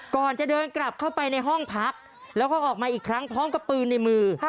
ก่อนจะเดินกลับเข้าไปในห้องพักแล้วก็ออกมาอีกครั้งพร้อมกับปืนในมือ